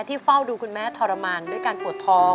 เฝ้าดูคุณแม่ทรมานด้วยการปวดท้อง